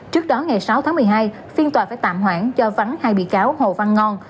trước đó ngày sáu tháng một mươi hai phiên tòa phải tạm hoãn cho vắng hai bị cáo hồ văn ngon